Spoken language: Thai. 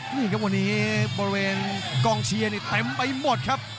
นี่ครับวันนี้บริเวณกองเชียร์นี่เต็มไปหมดครับ